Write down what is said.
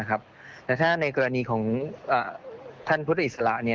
แต่ถ้าในกรณีของท่านพุทธอิสระ